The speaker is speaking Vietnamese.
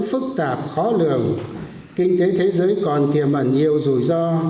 phức tạp khó lường kinh tế thế giới còn tiềm ẩn nhiều rủi ro